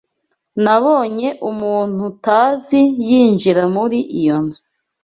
Nabonye umuntu utazi yinjira muri iyo nzu.